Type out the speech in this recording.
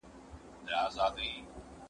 زه سفر کړی دی!.